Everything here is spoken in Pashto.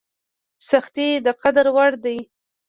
سختۍ د قدر وړ دي.